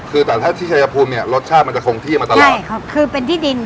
คือแต่ถ้าที่ชายภูมิเนี้ยรสชาติมันจะคงที่มาตลอดใช่ครับคือเป็นที่ดิน